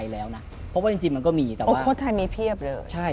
มันก็ไม่มีใครแล้วนะ